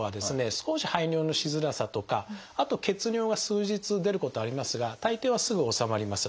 少し排尿のしづらさとかあと血尿が数日出ることはありますが大抵はすぐ治まります。